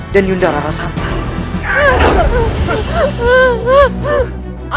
dan nyundara rasantara